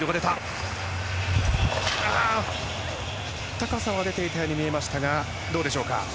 高さは出ていたように見えましたが、どうでしょうか？